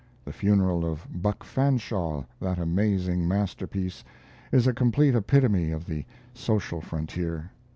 The funeral of Buck Fanshaw that amazing masterpiece is a complete epitome of the social frontier.